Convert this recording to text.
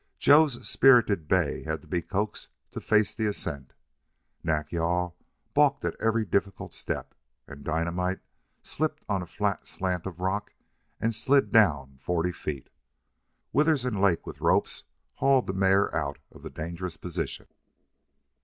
Joe's spirited bay had to be coaxed to face the ascent; Nack yal balked at every difficult step; and Dynamite slipped on a flat slant of rock and slid down forty feet. Withers and Lake with ropes hauled the mare out of the dangerous position.